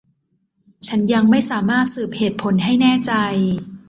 ฉันยังไม่สามารถสืบเหตุผลให้แน่ใจ